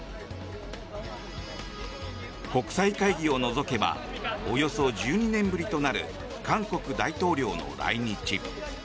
国際会議を除けばおよそ１２年ぶりとなる韓国大統領の来日。